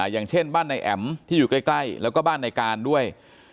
อย่างเช่นบ้านนายแอ๋มที่อยู่ใกล้แล้วก็บ้านในการด้วย